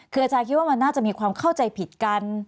คืออาจารย์คิดว่ามันน่าจะมีความเข้าใจผิดกัน